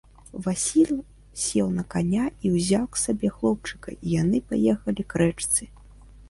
Васіль сеў на каня, узяў к сабе хлопчыка, і яны паехалі к рэчцы.